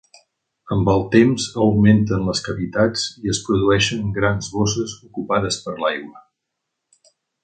Amb el temps augmenten les cavitats i es produeixen grans bosses ocupades per l'aigua.